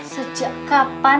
sejak kapan abang